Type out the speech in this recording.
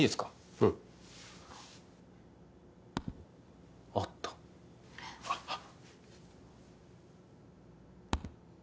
うんあったあっあっ